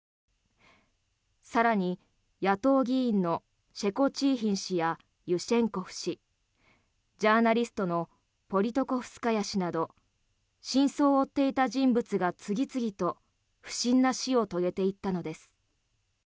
更に、野党議員のシェコチーヒン氏やユシェンコフ氏ジャーナリストのポリトコフスカヤ氏など真相を追っていた人物が次々と不審な死を遂げていったのです。